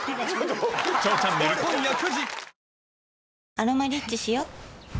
「アロマリッチ」しよ